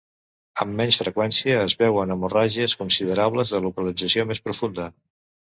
Amb menys freqüència, es veuen hemorràgies considerables de localització més profunda.